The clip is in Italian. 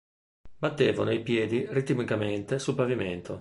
Battevano i piedi ritmicamente sul pavimento.